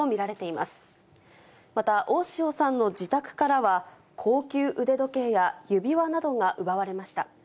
また大塩さんの自宅からは、高級腕時計や指輪などが奪われました。